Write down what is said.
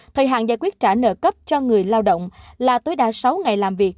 thời hạn giải quyết trả nợ cấp cho người lao động là tối đa sáu ngày làm việc